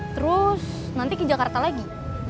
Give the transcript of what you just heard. terus nanti ke jakarta lagi